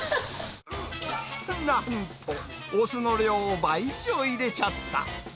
なんと、お酢の量を倍以上入れちゃった。